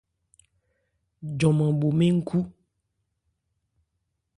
Joman bho mɛ́n nkhú.